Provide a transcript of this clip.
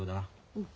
うん。